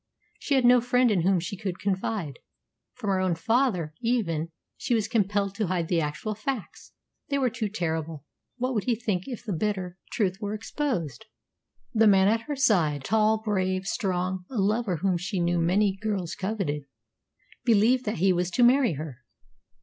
She had no friend in whom she could confide. From her own father, even, she was compelled to hide the actual facts. They were too terrible. What would he think if the bitter truth were exposed? The man at her side, tall, brave, strong a lover whom she knew many girls coveted believed that he was to marry her.